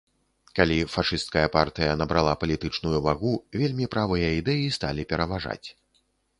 Калі фашысцкая партыя набрала палітычную вагу, вельмі правыя ідэі сталі пераважаць.